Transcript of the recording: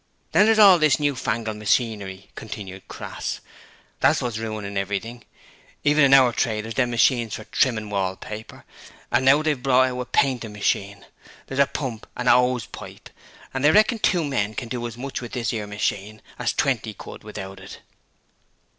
Then thers all this new fangled machinery,' continued Crass. 'That's wot's ruinin' everything. Even in our trade ther's them machines for trimmin' wallpaper, an' now they've brought out a paintin' machine. Ther's a pump an' a 'ose pipe, an' they reckon two men can do as much with this 'ere machine as twenty could without it.'